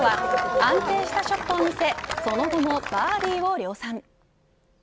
安定したショットを見せその後もバーディーを量産。